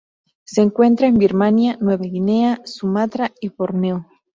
Se encuentra en Birmania, Nueva Guinea, Sumatra y Borneo.